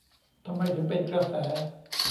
ทำไมถึงเป็นกระแส